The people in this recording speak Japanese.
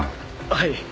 はい。